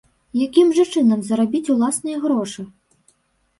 Якім жа чынам зарабіць уласныя грошы?